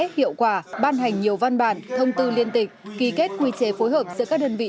hiệu quả ban hành nhiều văn bản thông tư liên tịch ký kết quy chế phối hợp giữa các đơn vị